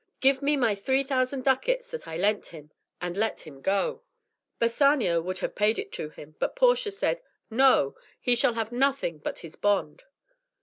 "Give me my three thousand ducats that I lent him, and let him go." Bassanio would have paid it to him, but said Portia, "No! He shall have nothing but his bond."